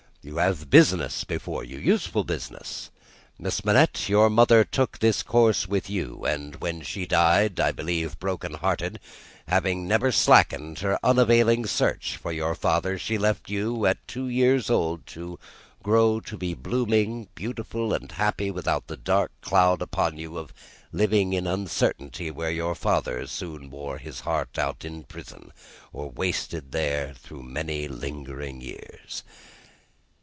You have business before you; useful business. Miss Manette, your mother took this course with you. And when she died I believe broken hearted having never slackened her unavailing search for your father, she left you, at two years old, to grow to be blooming, beautiful, and happy, without the dark cloud upon you of living in uncertainty whether your father soon wore his heart out in prison, or wasted there through many lingering years."